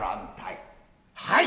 はい。